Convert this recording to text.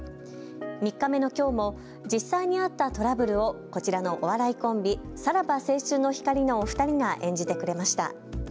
３日目のきょうも実際にあったトラブルをこちらのお笑いコンビ、さらば青春の光のお二人が演じてくれました。